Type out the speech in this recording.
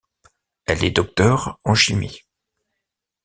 Elle est docteure en chimie.